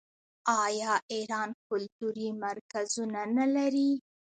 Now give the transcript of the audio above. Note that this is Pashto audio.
آیا ایران کلتوري مرکزونه نلري؟